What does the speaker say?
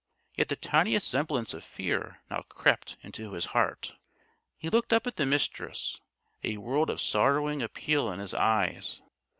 Yet the tiniest semblance of fear now crept into his heart. He looked up at the Mistress, a world of sorrowing appeal in his eyes.